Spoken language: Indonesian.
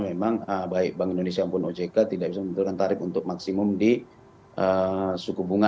memang baik bank indonesia maupun ojk tidak bisa menentukan tarif untuk maksimum di suku bunga